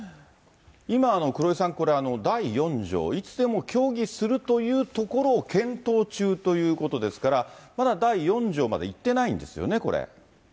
今、黒井さん、第４条、いつでも協議するというところを検討中ということですから、まだ第４条までいってないんですよね、これ。